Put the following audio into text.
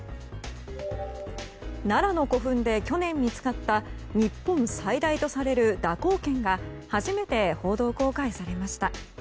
奈良の古墳で去年見つかった日本最大とされる蛇行剣が初めて報道公開されました。